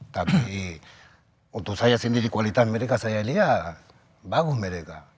tapi untuk saya sendiri kualitas mereka saya ini ya bagus mereka